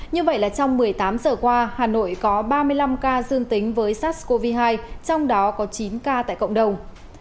như vậy là trong một mươi tám giờ qua hà nội có ba mươi năm ca dương tính với sars cov hai trong đó có chín ca tại cộng đồng